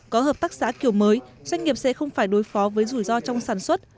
có hợp tác xã kiểu mới doanh nghiệp sẽ không phải đối phó với rủi ro trong sản xuất